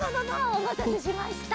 おまたせしました！